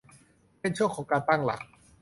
เป็นช่วงของการตั้งหลัก